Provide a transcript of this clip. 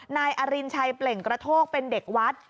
นายอรินชัยเปล่งกระโทกเป็นเด็กวัด